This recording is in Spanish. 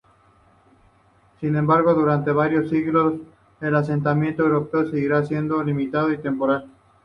Sin embargo, durante varios siglos, el asentamiento europeo seguiría siendo limitado y temporal.